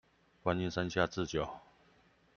觀音山下智久